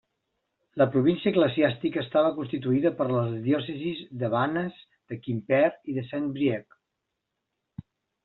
La província eclesiàstica estava constituïda per les diòcesis de Vannes, de Quimper i de Saint-Brieuc.